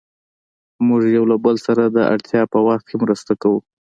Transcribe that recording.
موږ يو له بل سره د اړتیا په وخت کې مرسته کوو.